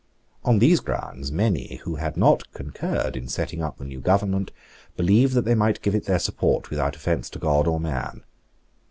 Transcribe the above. On these grounds many, who had not concurred in setting up the new government, believed that they might give it their support without offence to God or man.